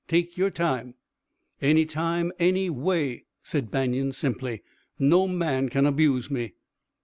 Take yer time." "Any time, any way," said Banion simply. "No man can abuse me."